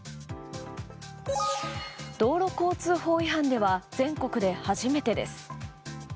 道路交通法違反では全国で初めてです。